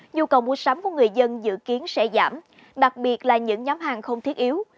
nhu cầu mua sắm của người dân dự kiến sẽ giảm đặc biệt là những nhóm hàng không thiết yếu